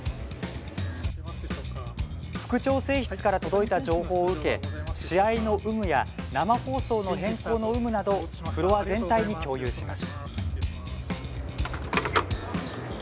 副調整室から届いた情報を受け試合の有無や生放送の変更の有無などフロア全体に共有します。